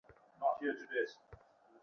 শহরের কেন্দ্রবিন্দুতে একটা মল হাইজ্যাক করেছে।